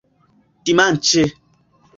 dimanĉe